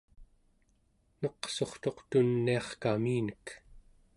neqsurtuq tuniarkaminek